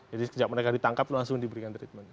jadi sekejap mereka ditangkap langsung diberikan treatment